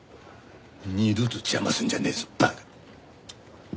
二度と邪魔すんじゃねえぞ馬鹿！